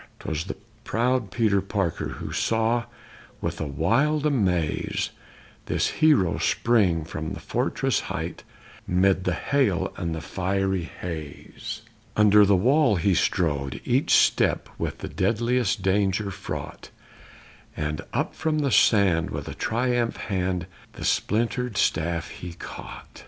'Twas the proud Sir Peter Parker who saw with a wild amaze This hero spring from the fortress height 'mid the hail and the fiery haze; Under the wall he strode, each step with the deadliest danger fraught, And up from the sand with a triumph hand the splintered staff he caught.